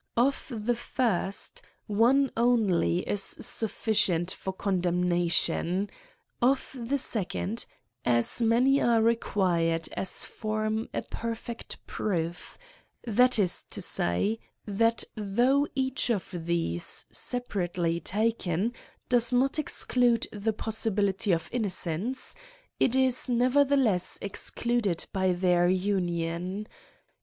Of the first, one only is sufficient for con demnation ; of the second, as many are required as form a perfect proof; that is to say^ that though each of these ^ separately taken, does not exclude the possibility of innocence, it is nevertheless ex^ eluded by their union.